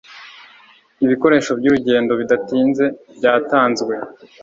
Ibikoresho byurugendo bidatinze byatanzwe.